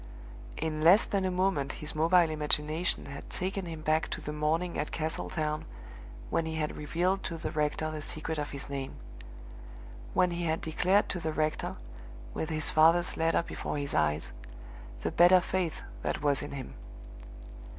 In less than a moment his mobile imagination had taken him back to the morning at Castletown when he had revealed to the rector the secret of his name; when he had declared to the rector, with his father's letter before his eyes, the better faith that was in him.